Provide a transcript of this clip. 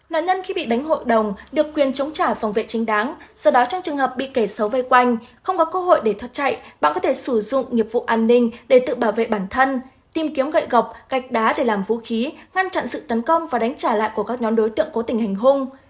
nạn nhân khi bị đánh hội đồng được quyền chống trả phòng vệ chính đáng do đó trong trường hợp bị kẻ xấu vây quanh không có cơ hội để thoát chạy bằng có thể sử dụng nghiệp vụ an ninh để tự bảo vệ bản thân tìm kiếm gậy gọc gạch đá để làm vũ khí ngăn chặn sự tấn công và đánh trả lại của các nhóm đối tượng cố tình hành hung